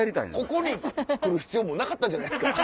ここに来る必要もなかったんじゃないですか？